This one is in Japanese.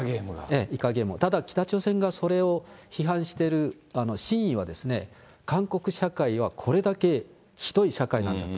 イカゲーム、ただ北朝鮮がそれを批判してる真意は、韓国社会はこれだけひどい社会なんだと。